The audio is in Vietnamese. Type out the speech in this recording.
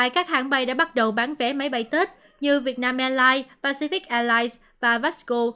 các hãng bay đã bắt đầu bán vé máy bay tết như việt nam airlines pacific airlines và vasco